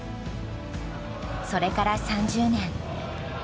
それから３０年。